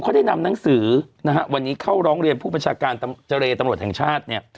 คำหนังสือวันนี้เข้าร้องเรียนผู้ปจกาลเจรตร์ตำรวจแห่งชาติ